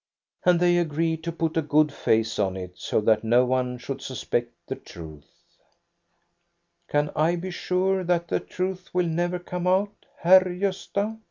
And they agreed to put a good face on it, so that no one should suspect the truth. " Can I be sure that the truth will never come out THE BALL AT EKEBY 91 //!wr Gosta?"